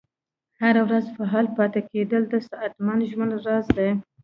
هره ورځ فعال پاتې کیدل د صحتمند ژوند راز دی.